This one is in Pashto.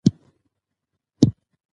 که تیزاب وي نو زنګ نه پاتې کیږي.